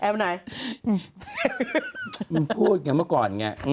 มันพูดเหมือนเมื่อก่อนแง